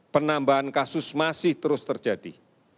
penambahan kasus masih terus terjadi